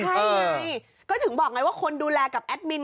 ใช่ไงก็ถึงบอกไงว่าคนดูแลกับแอดมิน